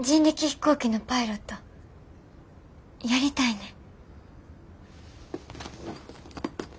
飛行機のパイロットやりたいねん。